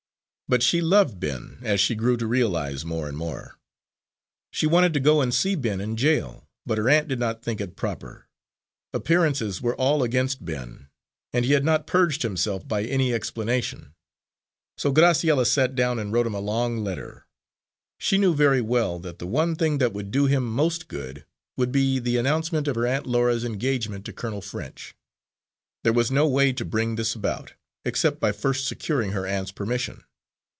But she loved Ben, as she grew to realise, more and more. She wanted to go and see Ben in jail but her aunt did not think it proper. Appearances were all against Ben, and he had not purged himself by any explanation. So Graciella sat down and wrote him a long letter. She knew very well that the one thing that would do him most good would be the announcement of her Aunt Laura's engagement to Colonel French. There was no way to bring this about, except by first securing her aunt's permission.